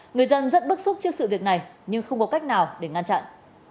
người dân rất bức xúc trước sự việc này nhưng không có cách nào để ngăn chặn